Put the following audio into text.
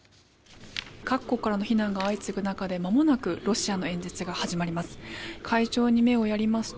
各国からの非難が相次ぐ中、まもなくロシアの演説が始まります。